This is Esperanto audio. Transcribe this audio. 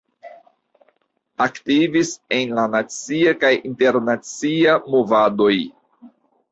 Aktivis en la nacia kaj internacia movadoj.